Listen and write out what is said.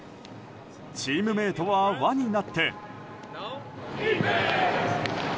チームメートは輪になって。